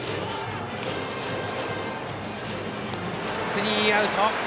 スリーアウト。